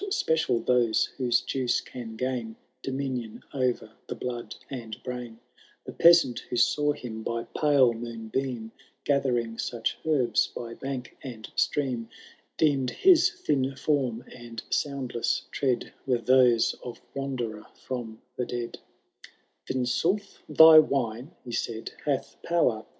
168 But ipedal those whoae jnioe em gain Domiiii<m o*er the blood and biain ; The peaaant who aaw him by pale moonbeam Gathering euch herbs by bank and stream, Deem*d his thin form and soundless trsad ^Teie those of wandenf from the deod» Vinsmif^ thy wine, he said, hath power.